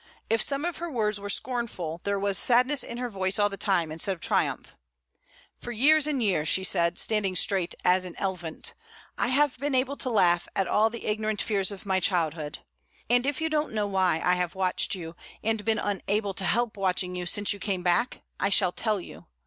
If some of her words were scornful, there was sadness in her voice all the time, instead of triumph. "For years and years," she said, standing straight as an elvint, "I have been able to laugh at all the ignorant fears of my childhood; and if you don't know why I have watched you and been unable to help watching you since you came back, I shall tell you.